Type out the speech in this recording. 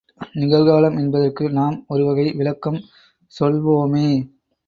நிகழ்காலம் என்பதற்கு நாம் ஒரு வகை விளக்கம் சொல்வோமே!